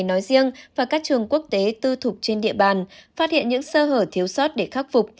nói riêng và các trường quốc tế tư thục trên địa bàn phát hiện những sơ hở thiếu sót để khắc phục